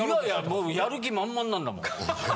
やる気満々なんだもの。